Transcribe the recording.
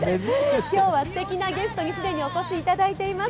今日はすてきなゲストに既にお越しいただいています。